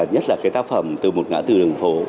nhất là cái tác phẩm từ một ngã từ đường phố